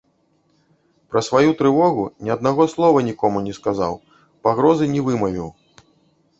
Пра сваю трывогу ні аднаго слова нікому не сказаў, пагрозы не вымавіў.